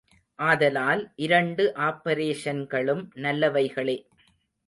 ஆதலால் இரண்டு ஆப்பரேஷன்களும் நல்லவைகளே.